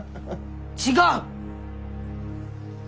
違う！